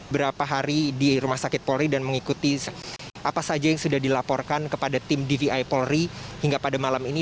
berapa hari di rumah sakit polri dan mengikuti apa saja yang sudah dilaporkan kepada tim dvi polri hingga pada malam ini